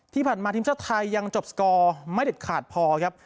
ที่ผ่านมาทีมชาติไทยยังจบสกอร์ไม่เด็ดขาดพอครับ